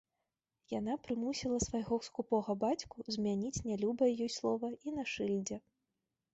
Яна прымусіла свайго скупога бацьку змяніць нялюбае ёй слова і на шыльдзе.